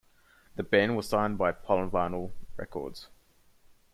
The band was signed to Polyvinyl Records.